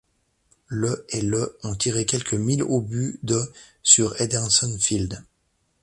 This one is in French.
Le et le ont tiré quelque mille obus de sur Henderson Field.